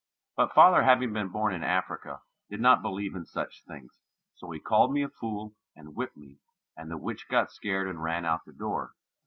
But father, having been born in Africa, did not believe in such things, so he called me a fool and whipped me and the witch got scared and ran out the door.